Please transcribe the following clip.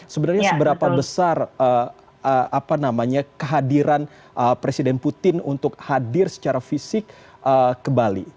sebenarnya seberapa besar kehadiran presiden putin untuk hadir secara fisik ke bali